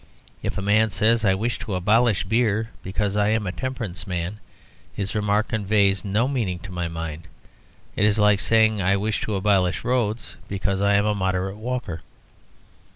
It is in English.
If a man says, "I wish to abolish beer because I am a temperance man," his remark conveys no meaning to my mind. It is like saying, "I wish to abolish roads because I am a moderate walker."